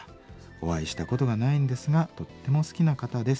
お会いしたことがないんですがとっても好きな方です。